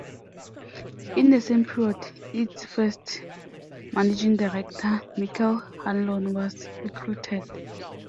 In the same period, its first Managing Director, Michael Hanlon was recruited.